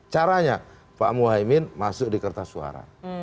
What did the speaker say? caranya pak muhaymin masuk di kertas suara